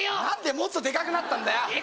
何でもっとデカくなったんだよ！